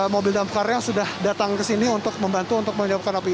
mobil damkarnya sudah datang ke sini untuk membantu untuk menyiapkan api